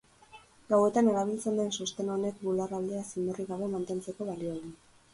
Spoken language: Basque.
Gauetan erabiltzen den sosten honek bular aldea zimurrik gabe mantentzeko balio du.